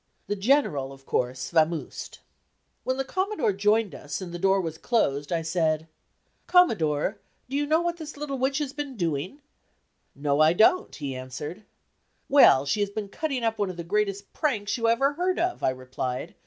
The General, of course, "vamosed." When the Commodore joined us and the door was closed, I said: "Commodore, do you know what this little witch has been doing?" "No, I don't," he answered. "Well, she has been cutting up one of the greatest pranks you ever heard of," I replied.